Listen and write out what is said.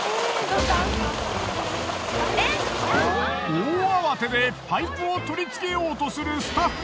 大慌てでパイプを取り付けようとするスタッフ。